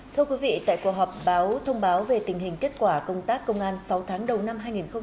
thưa quý vị tại cuộc họp báo thông báo về tình hình kết quả công tác công an sáu tháng đầu năm hai nghìn hai mươi ba